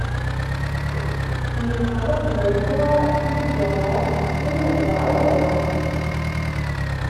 Iffeɣ-d Yasuɛ si lǧameɛ iqedsen dɣa iṛuḥ.